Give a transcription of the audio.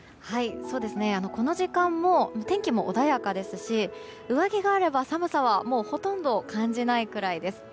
この時間も天気も穏やかですし上着があれば寒さはほとんど感じないくらいです。